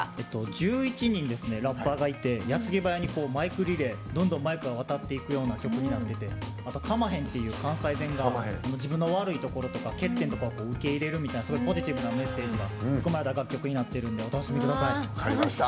１１人、ラッパーがいてやつぎばやにマイクリレーでどんどんマイクがわたっていくような曲になってて「かまへん」っていう関西弁が自分の悪いところとか欠点とかを受け入れるみたいなすごいポジティブなメッセージが含まれた楽曲になってるのでお楽しみください。